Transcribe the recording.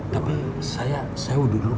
tapi saya saya udah dulu pak